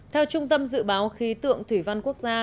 theo trung tâm dự báo khí tượng thủy văn quốc gia